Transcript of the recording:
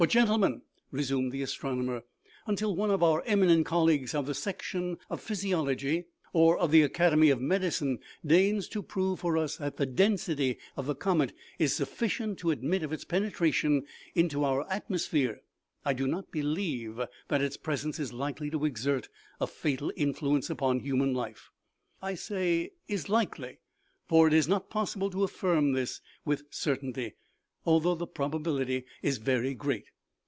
" But, gentlemen," resumed the astronomer, " until one of our eminent colleagues of the section of physi ology, or of the academy of medicine, deigns to prove for us that the density of the comet is sufficient to admit of its penetration into our atmosphere, I do not believe that its presence is likely to exert a fatal in fluence upon human life. I say is likely, for it is not possible to affirm this with certainty, although the probability is very great.